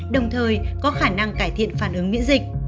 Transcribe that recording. đồng thời có khả năng cải thiện phản ứng miễn dịch